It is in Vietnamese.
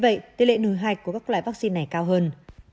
vì vậy tỷ lệ nồi hạch của các loại vaccine này cao hơn